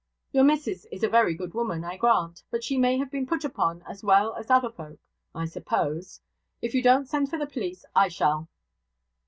Your missus is a very good woman, I grant; but she may have been put upon as well as other folk, I suppose. If you don't send for the police, I shall.'